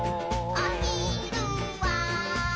「おひるは」